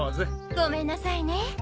ごめんなさいね。